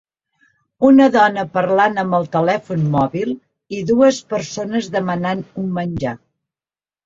Una dona parlant amb el telèfon mòbil i dues persones demanant un menjar